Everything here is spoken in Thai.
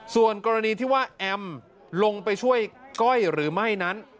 ส่วนกรณีที่ว่าแอมลงไปช่วยก้อยหรือไม่นั้น